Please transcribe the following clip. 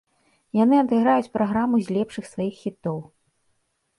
Яны адыграюць праграму з лепшых сваіх хітоў.